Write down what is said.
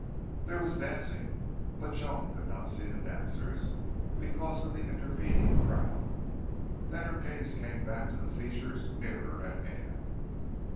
There was dancing, but Joan could not see the dancers because of the intervening crowd. Then her gaze came back to the features nearer at hand.